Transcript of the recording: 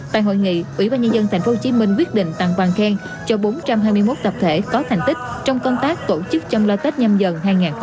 tại hội nghị ủy ban nhân dân tp hcm quyết định tặng bằng khen cho bốn trăm hai mươi một tập thể có thành tích trong công tác tổ chức chăm lo tết nhân dân hai nghìn hai mươi bốn